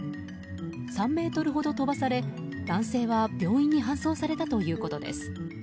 ３ｍほど飛ばされ、男性は病院に搬送されたということです。